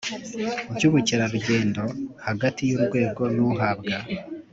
Bw ubukerarugendo hagati y urwego n uhabwa